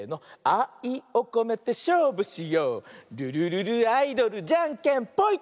「あいをこめてしょうぶしよう」「ルルルルアイドルじゃんけんぽい！」